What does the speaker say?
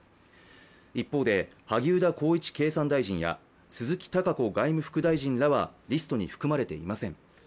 一方で萩生田光一経済大臣や鈴木貴子外務副大臣らはリストに含まれていません。